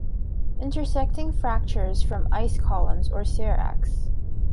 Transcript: Intersecting fractures form ice columns or seracs.